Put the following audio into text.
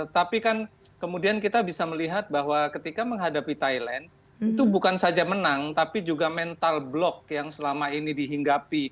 tapi kan kemudian kita bisa melihat bahwa ketika menghadapi thailand itu bukan saja menang tapi juga mental blok yang selama ini dihinggapi